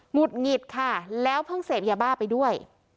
ุดหงิดค่ะแล้วเพิ่งเสพยาบ้าไปด้วย